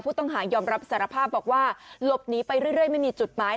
ต้องยอมรับสารภาพบอกว่าหลบหนีไปเรื่อยไม่มีจุดหมาย